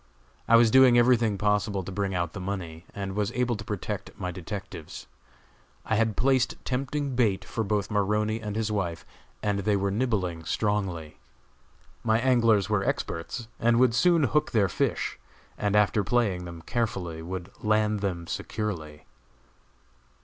I was doing everything possible to bring out the money, and was able to protect my detectives. I had placed tempting bait for both Maroney and his wife, and they were nibbling strongly. My anglers were experts, and would soon hook their fish, and after playing them carefully would land them securely.